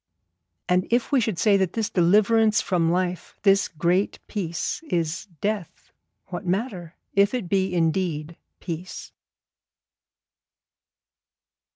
And if we should say that this Deliverance from life, this Great Peace, is Death, what matter, if it be indeed Peace?